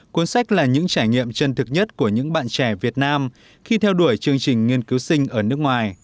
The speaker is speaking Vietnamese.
cuốn sách là những trải nghiệm chân thực nhất của những bạn trẻ việt nam khi theo đuổi chương trình nghiên cứu sinh ở nước ngoài